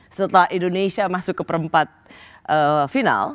setelah indonesia masuk ke perempat final